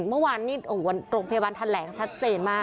เมื่อวานนี้โรงพยาบาลแถลงชัดเจนมาก